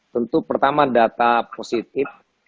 tentu pertama data positif